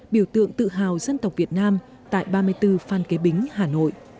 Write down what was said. biểu tượng tự hào dân tộc việt nam tại ba mươi bốn phan kế bính hà nội